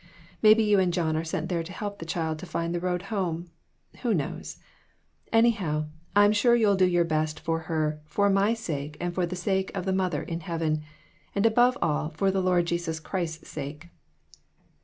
Maybe you and John are sent there to help the child to find the road home who knows? Anyhow, I'm sure you'll do your best for her for my sake and for the sake of the mother in heaven, and above all, for the Lord Jesus Christ's sake.